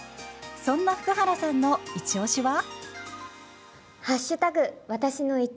そんな福原さんのいちオシは？